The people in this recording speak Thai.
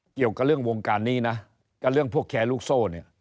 เกี่ยวกับเรื่องวงการนี้นะกับเรื่องพวกแชร์ลูกโซ่เนี่ย